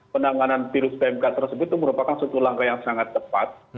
penanganan virus pmk tersebut merupakan langkah yang sangat tepat